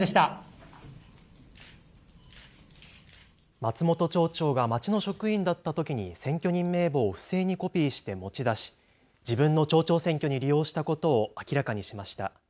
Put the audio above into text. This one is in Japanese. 松本町長が町の職員だったときに選挙人名簿を不正にコピーして持ち出し、自分の町長選挙に利用したことを明らかにしました。